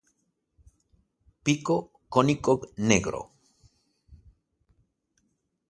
Pico cónico negro.